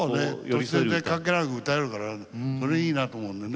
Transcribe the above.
年、全然関係なく歌えるからそれいいなって思うのね。